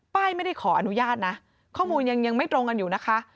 ไม่ได้ขออนุญาตนะข้อมูลยังไม่ตรงกันอยู่นะคะ